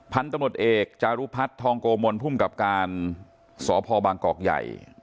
พันธุ์ตำรวจเอกจารุพัฒน์ทองโกมลภูมิกับการสพบางกอกใหญ่